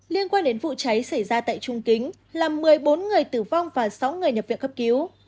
liên quan đến vụ cháy xảy ra tại trung kính làm một mươi bốn người tử vong và sáu người nhập viện cấp cứu